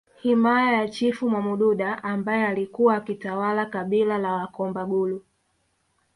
Himaya ya Chifu Mwamududa ambaye alikuwa akitawala kabila la Wakombagulu